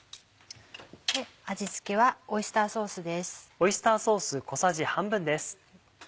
味付けはオイスターソースです。